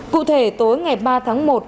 cụ thể tối ngày ba tháng một